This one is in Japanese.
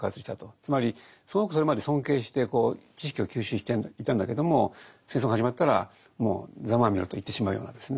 つまりすごくそれまで尊敬して知識を吸収していたんだけども戦争が始まったらもうざまあみろと言ってしまうようなですね。